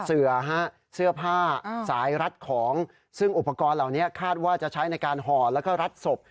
เสือฮะเสื้อผ้าสายรัดของซึ่งอุปกรณ์เหล่านี้คาดว่าจะใช้ในการห่อแล้วก็รัดศพ